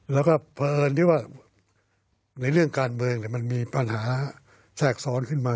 แล้วก็เผอิญที่ว่าในเรื่องการเมืองมันมีปัญหาแทรกซ้อนขึ้นมา